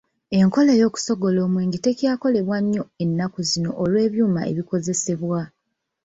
Enkola ey'okusogola omwenge tekyakolebwa nnyo ennaku zino olw'ebyuma ebikozesebwa.